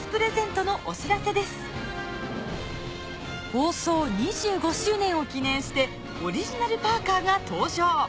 放送２５周年を記念してオリジナルパーカーが登場。